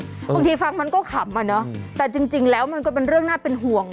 บางทีฟังมันก็ขำอ่ะเนอะแต่จริงแล้วมันก็เป็นเรื่องน่าเป็นห่วง